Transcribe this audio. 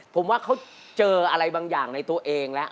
ผมว่าเขาเจออะไรบางอย่างในตัวเองแล้ว